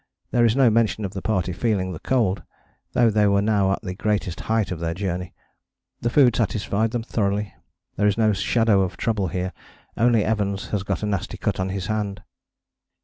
There is no mention of the party feeling the cold, though they were now at the greatest height of their journey; the food satisfied them thoroughly. There is no shadow of trouble here: only Evans has got a nasty cut on his hand!